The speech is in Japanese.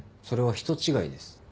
それは人違いです。